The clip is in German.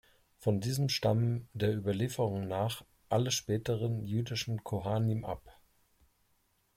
Von diesem stammen der Überlieferung nach alle späteren jüdischen Kohanim ab.